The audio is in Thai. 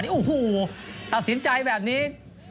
อู้วหู้ตัดสินใจแบบนี้